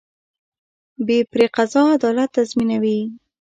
بې پرې قضا عدالت تضمینوي